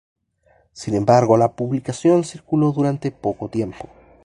Sin embargo, la publicación circuló durante poco tiempo.